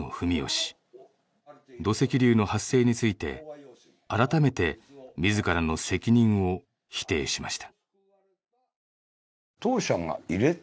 土石流の発生について改めて自らの責任を否定しました。